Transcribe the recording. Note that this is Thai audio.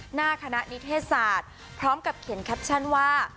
หน้าคณะนิเทศศาสตร์พร้อมกับเขียนแคปชั่นว่า